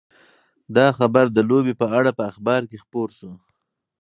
دا خبر د لوبې په اړه په اخبار کې خپور شو.